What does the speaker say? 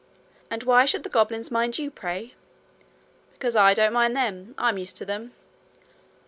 'And why should the goblins mind you, pray?' 'Because I don't mind them. I'm used to them.'